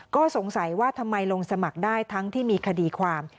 ก็สงสัยว่าทำไมลงสมัครได้ทั้งที่มีคดีความ